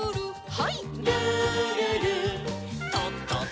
はい。